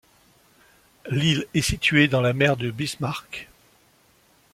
L'île est située dans la mer de Bismarck.